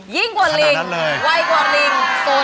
ยิ่งกว่าลิงไวกว่าลิง